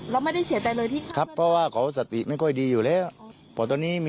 และเขาก็ทำอาชีพ